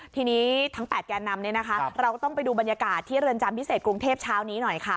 ทีนี้ทั้ง๘แกนนำเนี่ยนะคะเราก็ต้องไปดูบรรยากาศที่เรือนจำพิเศษกรุงเทพเช้านี้หน่อยค่ะ